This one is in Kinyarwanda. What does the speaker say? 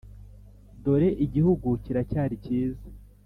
Dore igihugu kiracyari cyiza